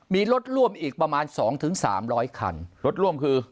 มีรถร่วมอีกประมาณ๒๓๐๐คันรถร่วมคือ